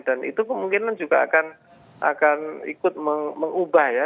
dan itu kemungkinan juga akan ikut mengubah ya